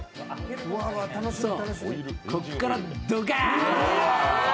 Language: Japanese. ここからドカーン！